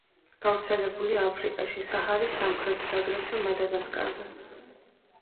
გავრცელებულია აფრიკაში, საჰარის სამხრეთით, აგრეთვე მადაგასკარზე.